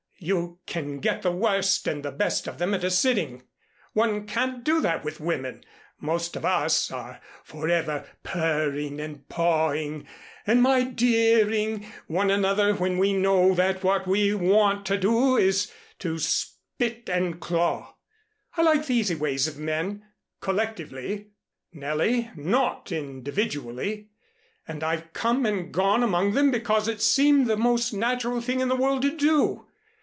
You can get the worst and the best of them at a sitting. One can't do that with women. Most of us are forever purring and pawing and my dearing one another when we know that what we want to do is to spit and claw. I like the easy ways of men collectively, Nellie, not individually, and I've come and gone among them because it seemed the most natural thing in the world to do.